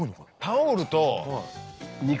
タオルと肉？